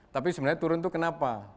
tapi sebenarnya turun itu kenapa